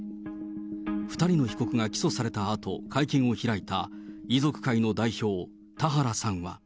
２人の被告が起訴されたあと、会見を開いた、遺族会の代表、田原さんは。